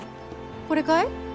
これかい？